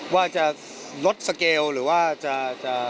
ว่าจะลดสเกลหรือว่าจะ